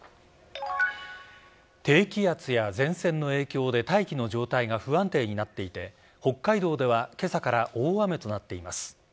低気圧や前線の影響で大気の状態が不安定になっていて北海道では今朝から大雨となっています。